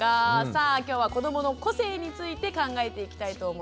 さあきょうは「子どもの個性」について考えていきたいと思います。